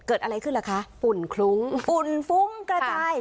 เกิดอะไรขึ้นล่ะคะฝุ่นคลุ้งฝุ่นฟุ้งกระจาย